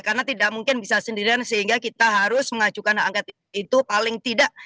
karena tidak mungkin bisa sendirian sehingga kita harus mengajukan hak angket itu paling tidak